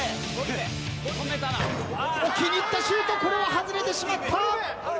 置きにいったシュートこれは外れてしまった！